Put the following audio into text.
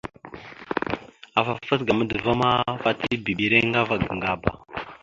Afa fat ga madəva ma, fat ibibire aŋga ava ga Ŋgaba.